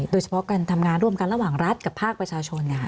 โดยเฉพาะการทำงานร่วมกันระหว่างรัฐกับภาคประชาชน